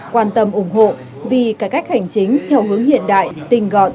quan tâm ủng hộ vì cải cách hành chính theo hướng hiện đại tinh gọn